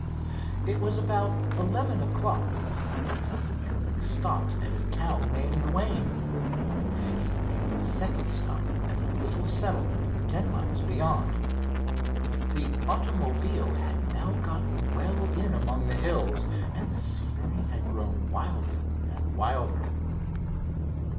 It was about eleven o'clock when the young airman stopped at a town named Wayne. He made a second stop at a little settlement ten miles beyond. The automobile had now gotten well in among the hills, and the scenery had grown wilder and wilder.